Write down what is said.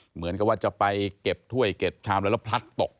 เหมือนกับว่าจะไปเก็บถ้วยเก็บชามอะไรแล้วพลัดตก